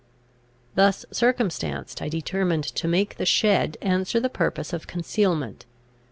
Thus circumstanced, I determined to make the shed answer the purpose of concealment.